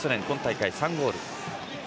今大会３ゴール。